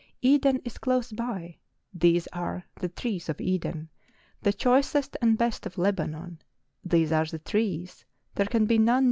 Eden is close by,—these are " the trees of Eden," the choicest and best of Lebanon," these are the trees (there can be none 200 MOUNTAIN ADVENTURES.